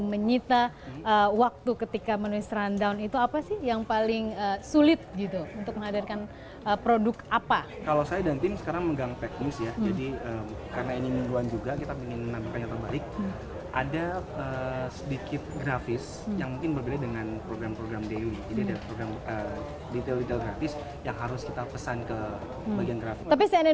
sangat relatif dengan apa yang ingin disampaikan oleh cnn indonesia